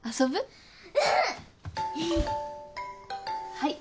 はい。